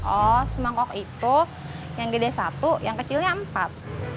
oh semangkok itu yang gede satu yang kecilnya empat